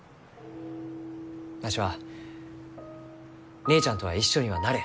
わしは姉ちゃんとは一緒にはなれん。